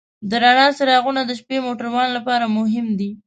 د رڼا څراغونه د شپې موټروان لپاره مهم دي.